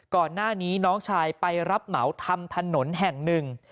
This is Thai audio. ก่อนหน้านี้น้องชายไปรับเหมาทำถนนแห่งหนึ่ง